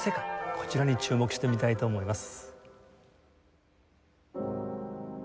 こちらに注目してみたいと思います。